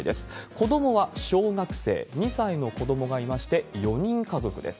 子どもは小学生、２歳の子どもがいまして、４人家族です。